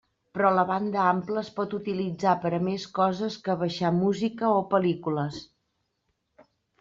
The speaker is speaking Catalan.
Però la banda ampla es pot utilitzar per a més coses que baixar música o pel·lícules.